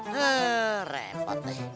heeh repot ya